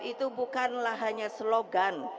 itu bukanlah hanya slogan